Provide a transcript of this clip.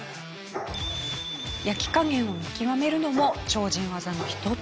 焼き加減を見極めるのも超人技の一つ。